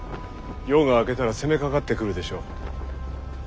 夜が明けたら攻めかかってくるでしょう。